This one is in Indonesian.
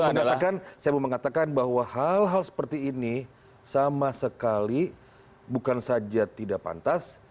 saya mau mengatakan bahwa hal hal seperti ini sama sekali bukan saja tidak pantas